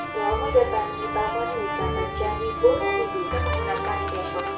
mohon tetap mencintai wabah yang disediakan dua kunci ayat dulu